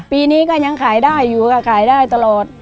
ปีนี้ก็ยังขายได้อยู่ค่ะขายได้ตลอด